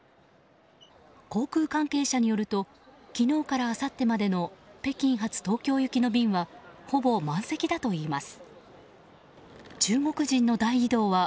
航空関係者によると昨日からあさってまでの北京発東京行きの便はほぼ満席だといいます。